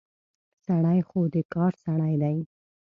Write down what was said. سړی خو د کار سړی دی.